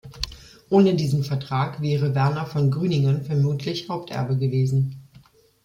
Ohne diesen Vertrag wäre Werner von Grüningen vermutlich Haupterbe gewesen.